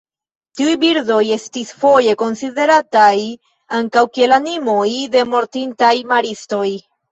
Tiuj birdoj estis foje konsiderataj ankaŭ kiel animoj de mortintaj maristoj.